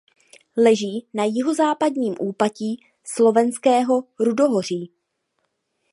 Leží na jihozápadním úpatí Slovenského rudohoří.